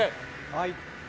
はい。